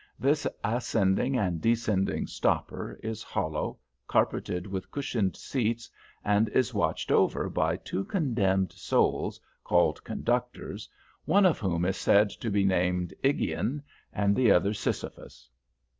This ascending and descending stopper is hollow, carpeted, with cushioned seats, and is watched over by two condemned souls, called conductors, one of whom is said to be named Igion, and the other Sisyphus.